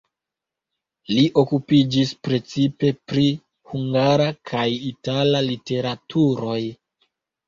Li okupiĝis precipe pri hungara kaj itala literaturoj.